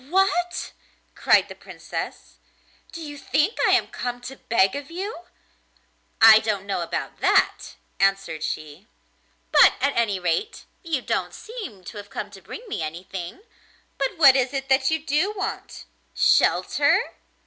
'What!' cried the Princess, 'do you think I am come to beg of you?' 'I don't know about that,' answered she; 'but at any rate you don't seem to have come to bring me anything. But what is it that you do want? Shelter?